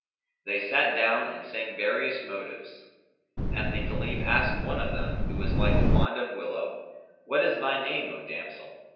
They sat down and sang various motives; and the Caliph asked one of them, who was like a wand of willow, "What is thy name, O damsel?"